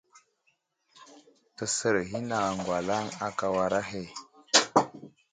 Təsər ghinaŋ aŋgwalaŋ aka war ahe.